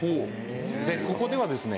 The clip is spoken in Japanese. ここではですね